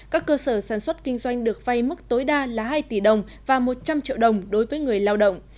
các cơ sở sản xuất kinh doanh được vay mức tối đa là hai tỷ đồng và một trăm linh triệu đồng đối với người lao động